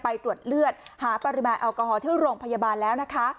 ไปตรวจเลือดหาปริมาณแอลกอฮอลที่โรงพยาบาลแล้วนะคะ